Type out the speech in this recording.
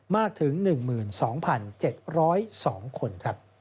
มากถึง๑๒๗๐๒คน